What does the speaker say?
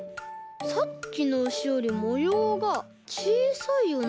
さっきのウシよりもようがちいさいよね。